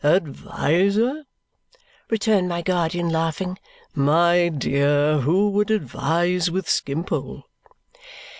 "Adviser!" returned my guardian, laughing, "My dear, who would advise with Skimpole?"